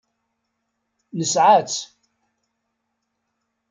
Nesɛa-tt.